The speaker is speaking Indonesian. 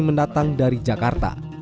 mendatang dari jakarta